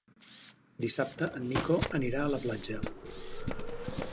Dissabte en Nico anirà a la platja.